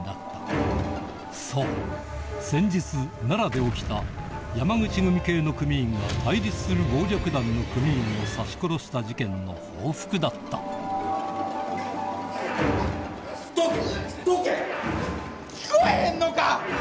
先日奈良で起きた山口組系の組員が対立する暴力団の組員を刺し殺した事件の報復だったどけ！